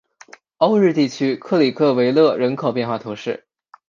欧日地区克里克维勒人口变化图示